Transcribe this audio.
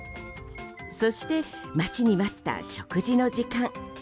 そして待ちに待った食事の時間。